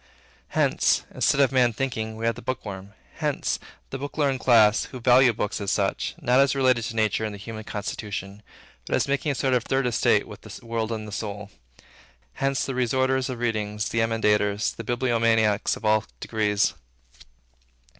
Hence, instead of Man Thinking, we have the bookworm. Hence, the book learned class, who value books, as such; not as related to nature and the human constitution, but as making a sort of Third Estate with the world and the soul. Hence, the restorers of readings, the emendators, the bibliomaniacs of all degrees.